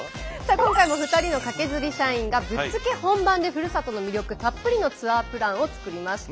今回も２人のカケズリ社員がぶっつけ本番でふるさとの魅力たっぷりのツアープランを作りました。